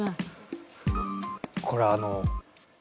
これあの。